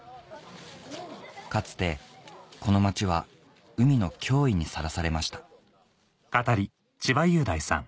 かつてこの町は海の脅威にさらされました